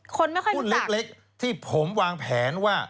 คนไม่ค่อยหุ้นเล็กที่ผมวางแผนว่า